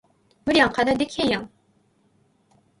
無理やん課題できへんやん